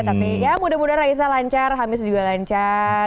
tapi ya mudah mudahan raisa lancar hamis juga lancar